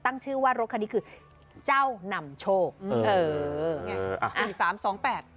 ตั้งชื่อว่ารถคันนี้คือเจ้านำโชคอืมเออไงหนึ่งสามสองแปด